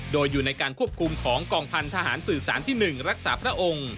โดยอยู่ในการควบคุมของกองพันธหารสื่อสารที่๑รักษาพระองค์